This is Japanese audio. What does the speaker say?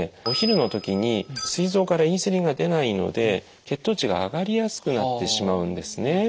お昼の時にすい臓からインスリンが出ないので血糖値が上がりやすくなってしまうんですね。